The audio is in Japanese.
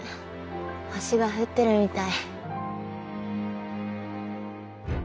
星が降ってるみたい。